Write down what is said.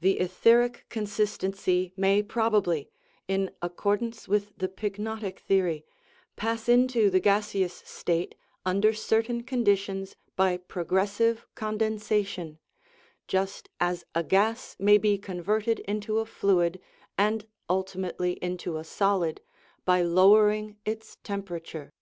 The etheric consistency may probably (in ac cordance with the pyknotic theory) pass into the gas eous state under certain conditions by progressive con densation, just as a gas may be converted into a fluid, and ultimately into a solid, by lowering its tempera ture.